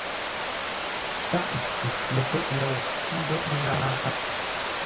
Tâʼ ntsʉ lə pə́ghʼ ndou, ə́ mbə́ghʼ mə́ngáa.